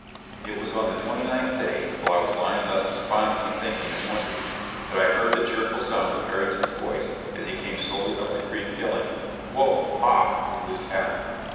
It was on the twenty ninth day, while I was lying thus despondently thinking and wondering, that I heard the cheerful sound of Harrington's voice as he came slowly up the creek, yelling, "whoa! haw!" to his cattle.